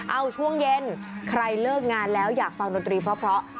เอาช่วงเย็นใครเลิกงานแล้วอยากฟังดนตรีเพราะ